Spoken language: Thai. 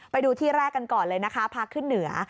ไปดูที่แรกกันก่อนเลยนะคะพาขึ้นเหนือ